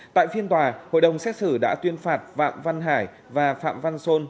tại phiên tòa hội đồng xét xử đã tuyên phạt phạm văn hải và phạm văn sôn